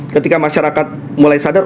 ketika masyarakat mulai sadar